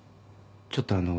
ちょっとあのう。